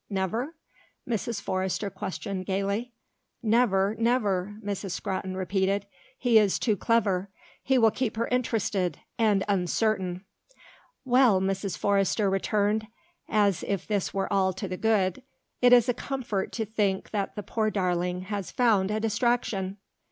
never?" Mrs. Forrester questioned gaily. "Never, never," Miss Scrotton repeated. "He is too clever. He will keep her interested and uncertain." "Well," Mrs. Forrester returned, as if this were all to the good, "it is a comfort to think that the poor darling has found a distraction."